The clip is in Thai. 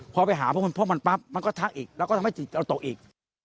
พอไปหาพวกมันปั๊บมันก็ทักอีกแล้วก็ทำให้จิตเราตกอีก